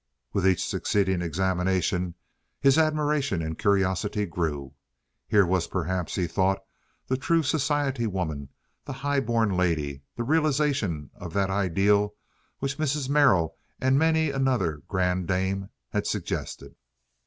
With each succeeding examination his admiration and curiosity grew. Here was perhaps, he thought, the true society woman, the high born lady, the realization of that ideal which Mrs. Merrill and many another grande dame had suggested.